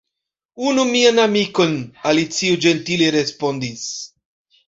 "Unu mian amikon," Alicio ĝentile respondis. "